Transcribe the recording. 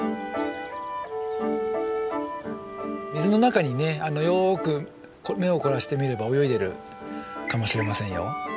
水の中にねよく目を凝らして見れば泳いでるかもしれませんよ。